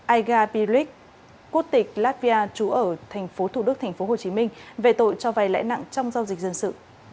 aiga pirich quốc tịch latvia trú ở tp thủ đức tp hcm về tội cho vay lãi nặng trong giao dịch dân sự